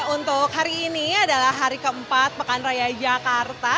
untuk hari ini adalah hari keempat pekan raya jakarta